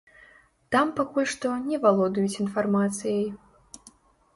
Там пакуль што не валодаюць інфармацыяй.